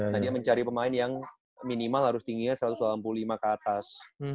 nah dia mencari pemain yang minimal harus tingginya satu ratus delapan puluh lima ke atas